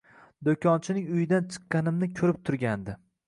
Do‘konchining uyidan chiqqanimni ko‘rib turgandi.